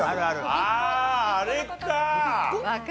あああれか！